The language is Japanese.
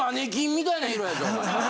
みたいな色やで！